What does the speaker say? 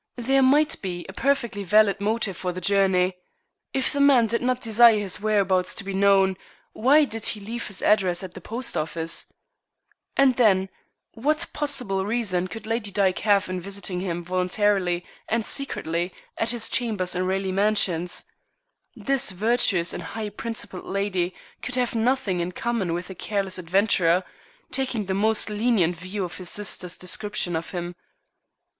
There might be a perfectly valid motive for the journey. If the man did not desire his whereabouts to be known, why did he leave his address at the post office? And, then, what possible reason could Lady Dyke have in visiting him voluntarily and secretly at his chambers in Raleigh Mansions? This virtuous and high principled lady could have nothing in common with a careless adventurer, taking the most lenient view of his sister's description of him.